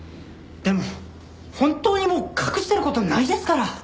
でも本当にもう隠してる事ないですから！